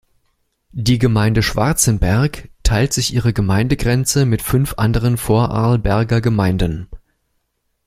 Die Gemeinde Schwarzenberg teilt sich ihre Gemeindegrenze mit fünf anderen Vorarlberger Gemeinden.